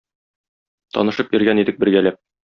Танышып йөргән идек бергәләп...